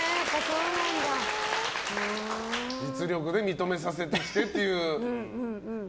実力で認めさせてきてっていう。